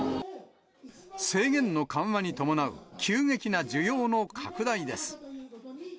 制限の緩和に伴う急激な需要の拡大です。